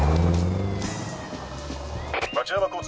町山交通